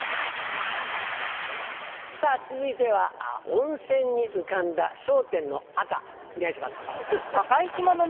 続いては温泉に浮かんだ『笑点』のアカお願いします。